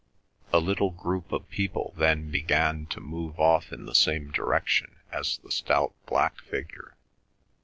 The little group of people then began to move off in the same direction as the stout black figure.